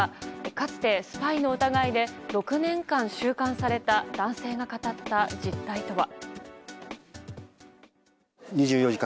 かつて、スパイの疑いで６年間収監された男性が語った実態とは。